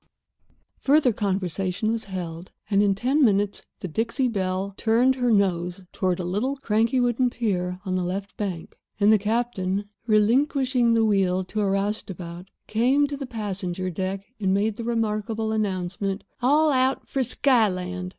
Further conversation was held, and in ten minutes the Dixie Belle turned her nose toward a little, cranky wooden pier on the left bank, and the captain, relinquishing the wheel to a roustabout, came to the passenger deck and made the remarkable announcement: "All out for Skyland."